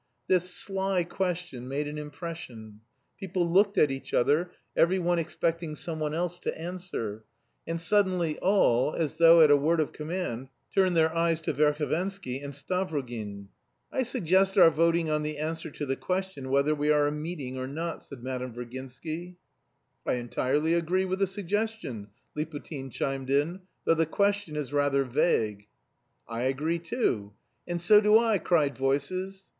This "sly" question made an impression. People looked at each other, every one expecting someone else to answer, and suddenly all, as though at a word of command, turned their eyes to Verhovensky and Stavrogin. "I suggest our voting on the answer to the question whether we are a meeting or not," said Madame Virginsky. "I entirely agree with the suggestion," Liputin chimed in, "though the question is rather vague." "I agree too." "And so do I," cried voices.